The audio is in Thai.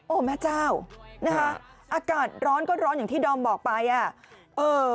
โอ้แม่เจ้าอากาศร้อนก็ร้อนอย่างที่ดอมบอกไป